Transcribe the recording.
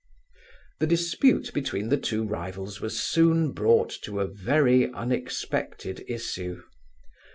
The dispute between the two rivals was soon brought to a very unexpected issue.